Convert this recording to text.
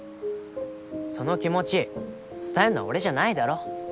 その気持ち伝えんのは俺じゃないだろ？